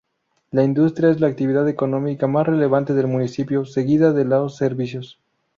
La industria es la actividad económica más relevante del municipio, seguida de los servicios.